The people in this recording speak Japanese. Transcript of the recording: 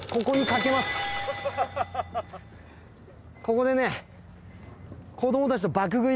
ここでね。